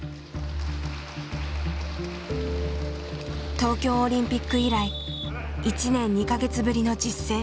東京オリンピック以来１年２か月ぶりの実戦。